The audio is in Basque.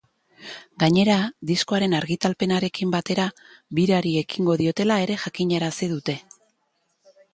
Gainera, diskoaren argitalpenarekin batera birari ekingo diotela ere jakinarazi dute.